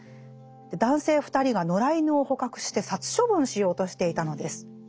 男性二人が野良犬を捕獲して殺処分しようとしていたのです。